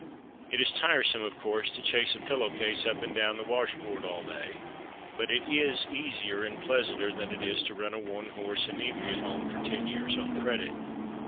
It is tiresome, of course, to chase a pillow case up and down the wash board all day, but it is easier and pleasanter than it is to run a one horse Inebriate Home for ten years on credit.